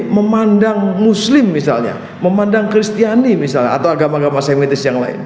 memandang muslim misalnya memandang kristiani misalnya atau agama agama segmentis yang lain